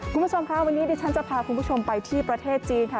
คุณผู้ชมค่ะวันนี้ดิฉันจะพาคุณผู้ชมไปที่ประเทศจีนค่ะ